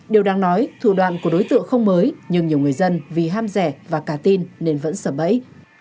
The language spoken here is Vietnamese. điều đáng nói thủ đoàn của đối tượng không mới nhưng nhiều người dân vì ham rẻ và cá tin nên vẫn sợ bẫy